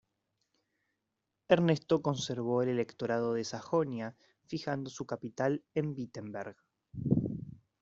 Ernesto conservó el Electorado de Sajonia, fijando su capital en Wittenberg.